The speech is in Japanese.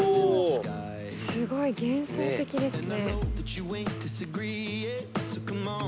すごい幻想的ですね。